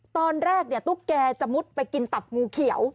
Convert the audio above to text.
ตอนแรกตุ๊กแกจะมุดไปกินตับงูเขียว